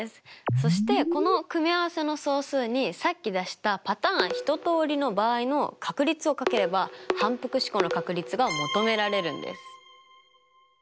そしてこの組み合わせの総数にさっき出したパターン１通りの場合の確率を掛ければ反復試行の確率が求められるんです。